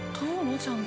ちゃんと。